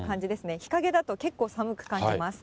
日陰だと、結構寒く感じます。